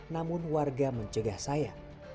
namun warga mencegah saya